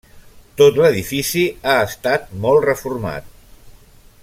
Tot l'edifici ha estat molt reformat.